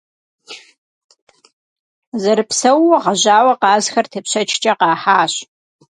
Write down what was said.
Зэрыпсэууэ гъэжьауэ къазхэр тепщэчкӀэ къахьащ.